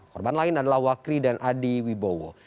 korban lain adalah wakri dan adi wibowo